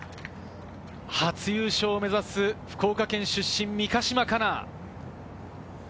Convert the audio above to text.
初優勝を目指す福岡県出身、三ヶ島かな。